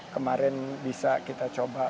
kemarin bisa kita coba